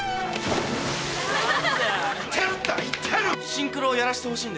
シンクロをやらせてほしいんです。